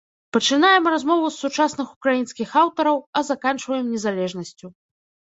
Пачынаем размову з сучасных украінскіх аўтараў, а заканчваем незалежнасцю.